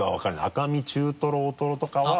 赤身中トロ大トロとかは？